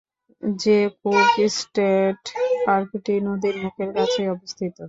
J Cook State পার্কটি নদীর মুখের কাছেই অবস্থিত।